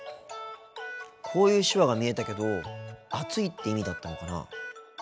こういう手話が見えたけど暑いって意味だったのかな。